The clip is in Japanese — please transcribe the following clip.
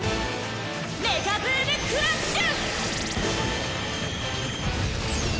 メカブーム・クラッシュ！